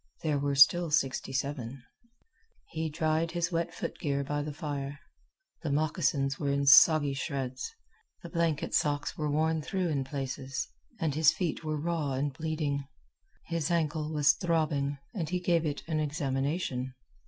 There were still sixty seven. He dried his wet foot gear by the fire. The moccasins were in soggy shreds. The blanket socks were worn through in places, and his feet were raw and bleeding. His ankle was throbbing, and he gave it an examination.